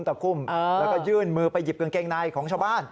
ตะคุ่มแล้วก็ยื่นมือไปหยิบกางเกงในของชาวบ้าน